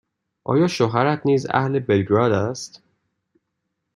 آیا شوهرت نیز اهل بلگراد است؟